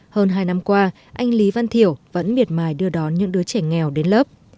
hơn hai năm qua anh lý văn thiểu vẫn miệt mài đưa đón những đứa trẻ nghèo đến lớp